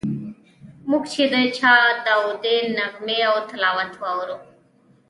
موږ چې د چا داودي نغمې او تلاوت واورو.